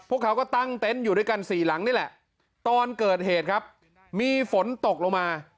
พวกเขาก็ตั้งเต็นต์อยู่ด้วยกันสี่หลังนี่แหละตอนเกิดเหตุครับมีฝนตกลงมา